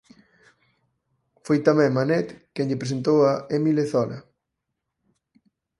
Foi tamén Manet quen lle presentou a Émile Zola.